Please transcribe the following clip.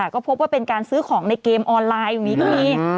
ก็พบว่าเป็นการซื้อของในเกมออนไลน์อย่างนี้ก็มี